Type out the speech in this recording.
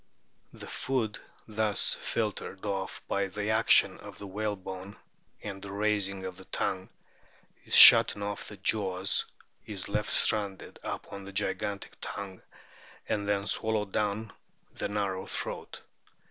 The food thus filtered off by the action of the whalebone and the raising of the tongue and shuttino o o 3 of the jaws is left stranded upon the gigantic tongue and then swallowed down the narrow throat.